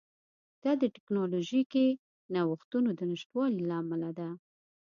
دا د ټکنالوژیکي نوښتونو د نشتوالي له امله ده